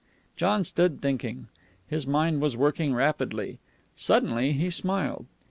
John stood thinking. His mind was working rapidly. Suddenly he smiled.